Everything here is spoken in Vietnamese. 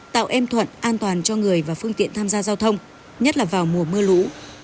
tạo em thuận an toàn cho người và phương tiện tham gia giao thông nhất là vào mùa mưa lũ